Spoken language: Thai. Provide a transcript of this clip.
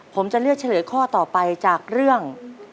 ผมจะเลือกเฉลยข้อต่อไปจากเรื่อง